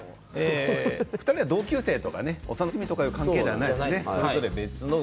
２人は同級生とか幼なじみということではないですね。